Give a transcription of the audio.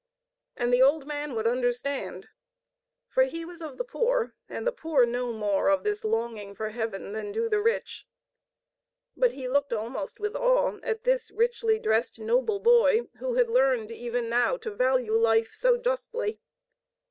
And the old man would understand; for he was of the poor, and the poor know more of this longing for heaven than do the rich. But he looked almost with awe at this richly dressed noble boy who had learned even now to value life so justly.